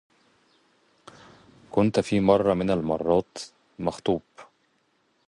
كنت في مرة من المرات مخطوب